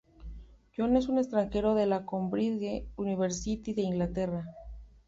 John en el extranjero de la Cambridge University de Inglaterra.